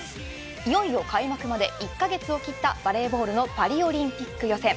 いよいよ開幕まで１カ月を切ったバレーボールのパリオリンピック予選。